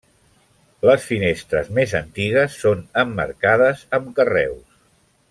Les finestres més antigues són emmarcades amb carreus.